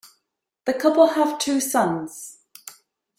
The couple have two sons.